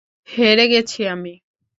হেরে গেছি আমি।